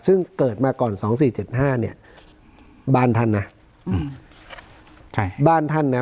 ซึ่งเกิดมาก่อน๒๔๗๕เนี่ยบ้านท่านนะอืมใช่บ้านท่านนะ